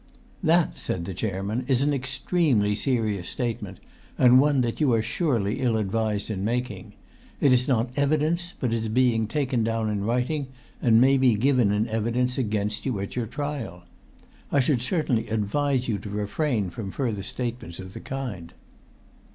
"That," said the chairman, "is an extremely serious statement, and one that you are surely ill advised in making. It is not evidence, but it is being taken down in writing, and may be given in evidence against you at your trial. I should certainly advise you to refrain from further statements of the kind."